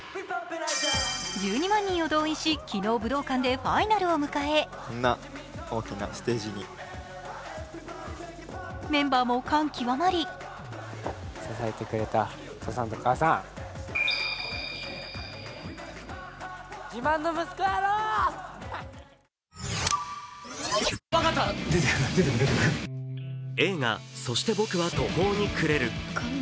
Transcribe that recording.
１２万人を動員し、昨日武道館でファイナルを迎えててメンバーも感極まり映画「そして僕は途方に暮れる」。